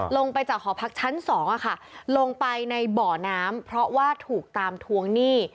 ลงไปจากหอพักชั้น๒ลงไปในบ่อน้ำเพราะว่าถูกตามทวงหนี้